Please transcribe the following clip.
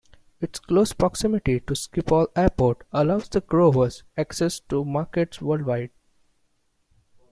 Its close proximity to Schiphol Airport allows the growers access to markets worldwide.